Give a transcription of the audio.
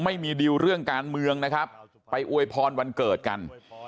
ไม่มีดิวเรื่องการเมืองนะครับไปอวยพรวันเกิดกัน